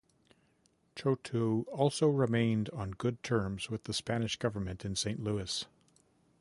Chouteau also remained on good terms with the Spanish government in Saint Louis.